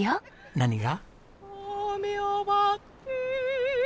何が？